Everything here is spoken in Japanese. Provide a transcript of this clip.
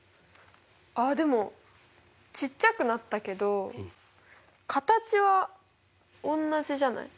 あでもちっちゃくなったけど形は同じじゃない？